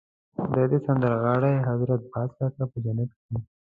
خدای دې سندرغاړی حضرت باز کاکا په جنت کړي.